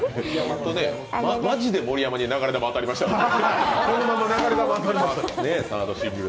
マジで盛山に流れ弾当たりましたね。